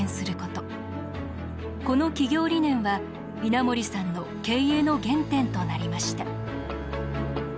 この企業理念は稲盛さんの経営の原点となりました。